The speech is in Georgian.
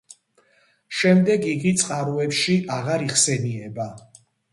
შემდეგ იგი წყაროებში აღარ იხსენიება.